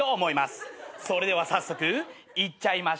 それでは早速いっちゃいま。